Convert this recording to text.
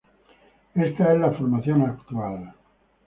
Esta es la formación actual.